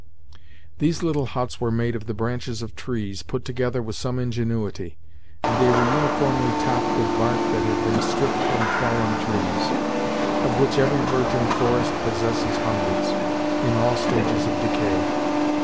These little huts were made of the branches of trees, put together with some ingenuity, and they were uniformly topped with bark that had been stripped from fallen trees; of which every virgin forest possesses hundreds, in all stages of decay.